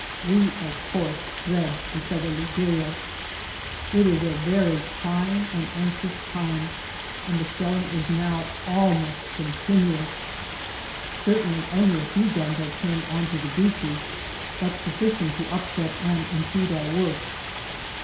We, of course, dread a southerly gale. It is a very trying and anxious time, and the shelling is now almost continuous. Certainly only a few guns are turned on to the beaches, but sufficient to upset and impede our work.